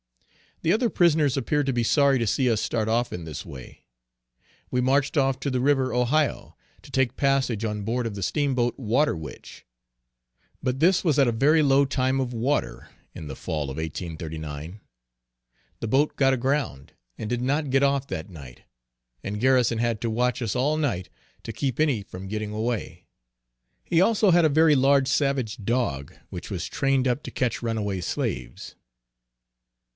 The other prisoners appeared to be sorry to see us start off in this way. We marched off to the river Ohio, to take passage on board of the steamboat Water Witch. But this was at a very low time of water, in the fall of 1839. The boat got aground, and did not get off that night; and Garrison had to watch us all night to keep any from getting away. He also had a very large savage dog, which was trained up to catch runaway slaves.